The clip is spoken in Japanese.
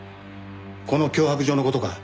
この脅迫状の事か？